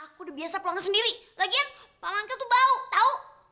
aku udah biasa pulang sendiri lagi ya pak manko tuh bau tau